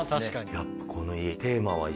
やっぱこの家テーマは石。